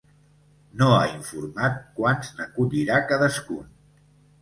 No ha informat quants n’acollirà cadascun.